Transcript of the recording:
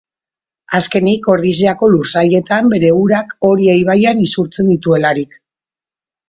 Azkenik, Ordiziako lursailetan bere urak Oria ibaian isurtzen dituelarik.